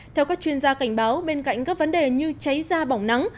theo các chuyên gia cảnh báo bên cạnh các vấn đề như cháy da bỏng nắng